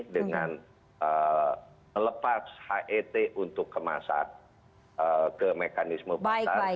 dengan melepas het untuk kemasan ke mekanisme pasar